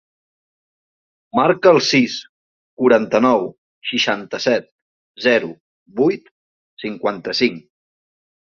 Marca el sis, quaranta-nou, seixanta-set, zero, vuit, cinquanta-cinc.